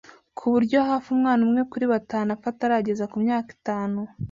ku buryo hafi umwana umwe kuri batanu apfa atarageza ku myaka itanu.